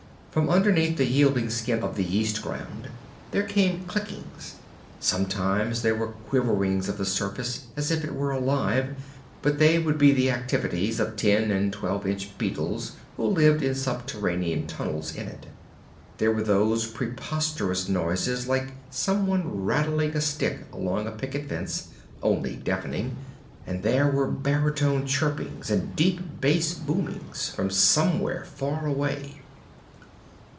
From underneath the yielding skin of the yeast ground, there came clickings. Sometimes there were quiverings of the surface as if it were alive, but they would be the activities of ten and twelve inch beetles who lived in subterranean tunnels in it. There were those preposterous noises like someone rattling a stick along a picket fence only deafening and there were baritone chirpings and deep bass boomings from somewhere far away.